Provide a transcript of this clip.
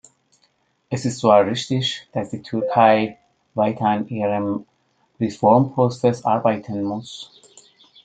Es ist zwar richtig, dass die Türkei weiter an ihrem Reformprozess arbeiten muss.